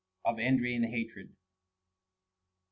OF ENVY AND HATRED. 1.